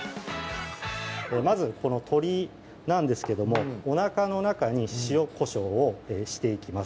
まずこの鶏なんですけどもおなかの中に塩・こしょうをしていきます